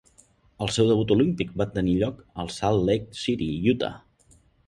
El seu debut olímpic va tenir lloc a Salt Lake City, Utah.